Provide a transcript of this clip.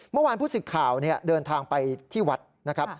เมื่อวานผู้สิทธิ์ข่าวเดินทางไปที่วัดนะครับ